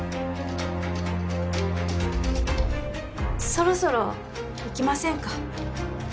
そろそろ行きませんか？